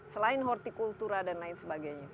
selain hortikultura dan lain sebagainya